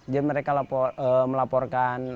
jadi mereka melaporkan